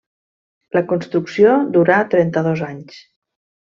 La construcció durà trenta-dos anys.